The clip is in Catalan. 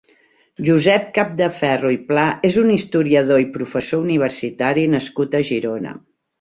Josep Capdeferro i Pla és un historiador i professor universitari nascut a Girona.